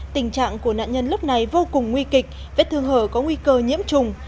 tình trạng của nạn nhân lúc này vô cùng nguy kịch vết thương hở có nguy cơ nhiễm trùng